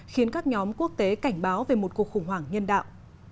khiến các nhóm quốc tế cảnh báo về một cuộc khủng hoảng nhân đạo